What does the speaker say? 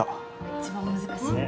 一番難しいよね。